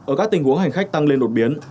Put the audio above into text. ở các tình huống hành khách tăng lên đột biến